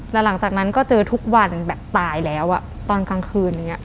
แล้วหลังจากนั้นก็เจอทุกวันแบบตายแล้วตอนกลางคืนอย่างนี้